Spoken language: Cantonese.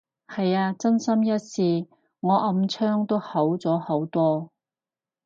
係啊，真心一試，我暗瘡都好咗好多